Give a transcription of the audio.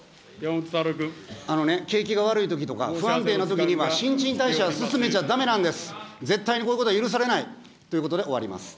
あのね、景気が悪いときとか、不安定なときには新陳代謝を進めちゃだめなんです。絶対にこういうことは許されないということで終わります。